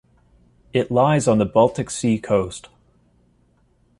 It lies on the Baltic Sea coast.